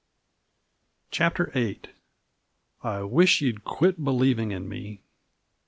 CHAPTER VIII "I Wish You'd Quit Believing in Me!"